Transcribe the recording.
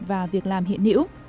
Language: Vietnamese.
và việc làm hiện nữ